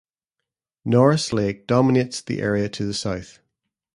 Norris Lake dominates the area to the south.